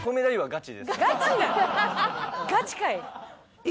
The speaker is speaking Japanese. ガチかい！